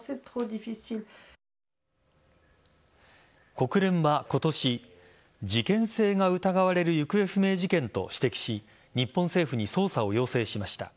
国連は今年事件性が疑われる行方不明事件と指摘し日本政府に捜査を要請しました。